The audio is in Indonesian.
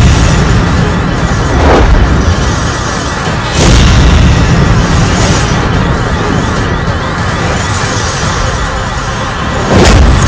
aku ingin punya peng gallery untuk hidupku